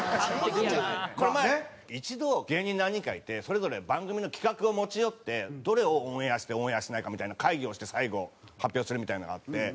これ前一度芸人何人かいてそれぞれ番組の企画を持ち寄ってどれをオンエアしてオンエアしないかみたいな会議をして最後発表するみたいなのがあって。